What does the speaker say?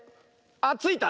あっついた！